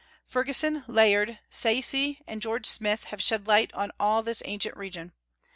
Fergusson, Layard, Sayce, and George Smith have shed light on all this ancient region.